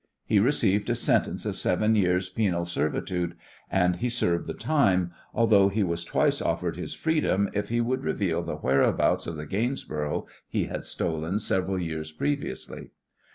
He received a sentence of seven years' penal servitude, and he served the time, although he was twice offered his freedom if he would reveal the whereabouts of the Gainsborough he had stolen several years previously.